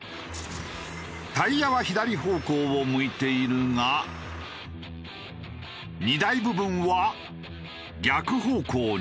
タイヤは左方向を向いているが荷台部分は逆方向に。